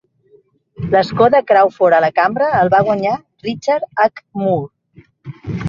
L'escó de Crawford a la Cambra el va guanyar Richard H. Moore.